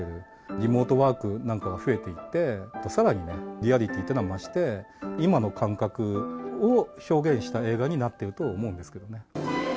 リモートワークなんかが増えていって、さらにリアリティーというのは増して、今の感覚を表現した映画になってると思うんですけどね。